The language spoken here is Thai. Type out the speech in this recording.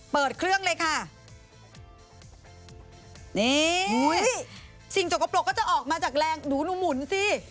เปิดเครื่องเลยค่ะนี่สิ่งสกปรกก็จะออกมาจากแรงหนูหนูหมุนสิ